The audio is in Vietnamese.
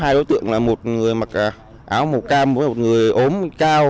hai đối tượng là một người mặc áo màu cam với một người ốm cao